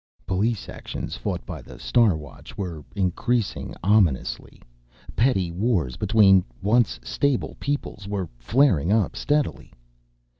Police actions fought by the Star Watch were increasing ominously. Petty wars between once stable peoples were flaring up steadily.